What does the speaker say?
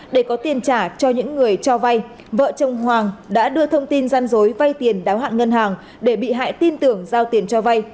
để có tiền trả cho những người cho vay vợ chồng hoàng đã đưa thông tin gian dối vay tiền đáo hạn ngân hàng để bị hại tin tưởng giao tiền cho vay